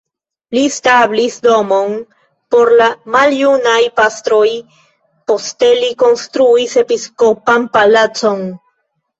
Li establis domon por la maljunaj pastroj, poste li konstruis episkopan palacon.